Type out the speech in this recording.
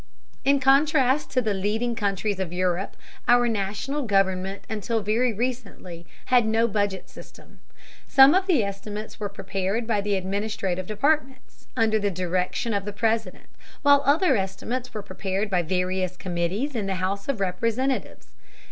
In contrast to the leading countries of Europe, our National government until very recently had no budget system. Some of the estimates were prepared by the administrative departments, under the direction of the President, while other estimates were prepared by various committees in the House of Representatives.